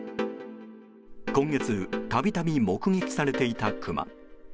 今月、たびたび目撃されていたクマ。